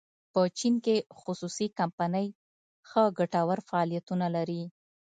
په چین کې خصوصي کمپنۍ ښه ګټور فعالیتونه لري.